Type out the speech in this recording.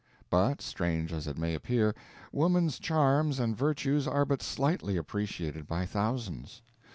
But, strange as it may appear, woman's charms and virtues are but slightly appreciated by thousands.